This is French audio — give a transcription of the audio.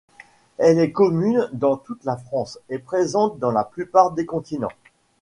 Elle est commune dans toute la France et présente sur la plupart des continents.